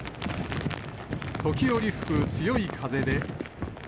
時折吹く強い風で。